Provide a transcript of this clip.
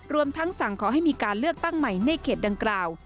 รวมทั้งสั่งขอให้มีการเลือกตั้งใหม่ในเขตดังกล่าว